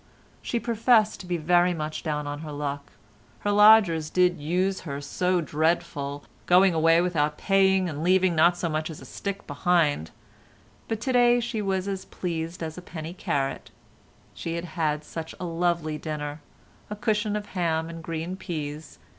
She professed to be very much down on her luck. Her lodgers did use her so dreadful, going away without paying and leaving not so much as a stick behind, but to day she was as pleased as a penny carrot. She had had such a lovely dinner—a cushion of ham and green peas.